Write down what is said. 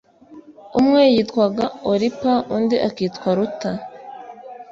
umwe yitwaga oripa, undi akitwa ruta